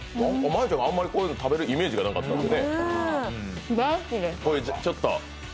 真悠ちゃんがあんまりこういうの食べるイメージがなかったんで。